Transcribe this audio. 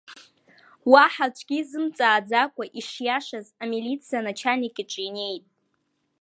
Уаҳа аӡәгьы изымҵааӡакәа, ишиашаз, амилициа аначальник иҿы инеит.